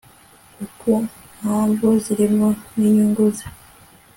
u ku mpamvu zimirimo ninyungu ze